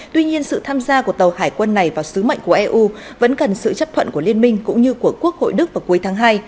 tuy nhiên sự tham gia của tàu hải quân này vào sứ mệnh của eu vẫn cần sự chấp thuận của liên minh cũng như của quốc hội đức vào cuối tháng hai